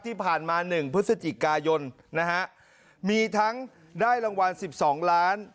ที่ผ่านมาหนึ่งพฤศจิกายนนะฮะมีทั้งได้รางวัลสิบสองล้าน